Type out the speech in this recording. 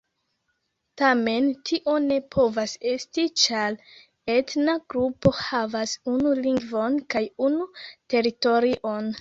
Tamen tio ne povas esti, ĉar etna grupo havas unu lingvon kaj unu teritorion.